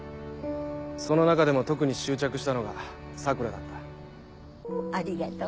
その中でも特に執着したのが桜だった。